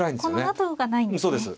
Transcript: この後がないんですね。